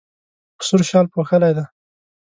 په سور شال پوښلی دی.